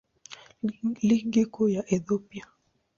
Ligi Kuu ya Ethiopia.